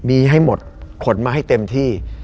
มีให้หมดขนมาให้เต็มที่